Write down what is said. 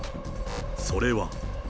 それは。